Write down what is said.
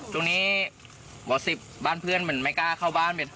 ตรงนี้หมอ๑๐บ้านเพื่อนมันไม่กล้าเข้าบ้าน